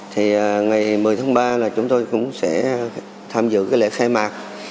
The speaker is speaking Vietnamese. thì ngày một mươi tháng ba là chúng tôi cũng sẽ tham dự cái lễ khai mạc